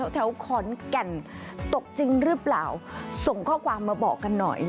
แถวขอนแก่นตกจริงหรือเปล่าส่งข้อความมาบอกกันหน่อย